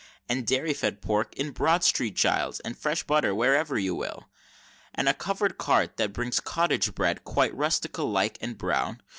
And dairy fed pork in Broad St. Giles's, and fresh butter wherever you will? And a covered cart that brings Cottage Bread quite rustical like and brown?